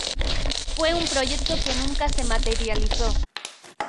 Fue un proyecto que nunca se materializó.